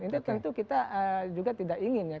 itu tentu kita juga tidak ingin ya